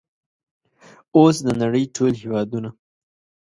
اوس د نړۍ ټول هیوادونه